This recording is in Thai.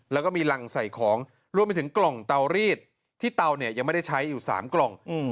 แล้วก็มีรังใส่ของรวมไปถึงกล่องเตารีดที่เตาเนี่ยยังไม่ได้ใช้อยู่๓กล่อง